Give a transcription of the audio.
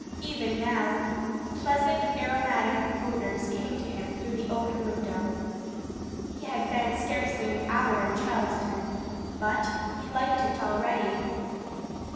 Even now, pleasant aromatic odors came to him through the open window. He had been scarcely an hour in Charleston but he liked it already.